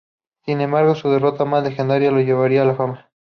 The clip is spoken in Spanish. Sin embargo, su derrota más legendaria lo llevaría a la fama.